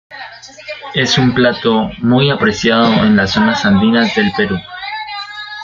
Es un plato muy apreciado en las zonas andinas del Perú.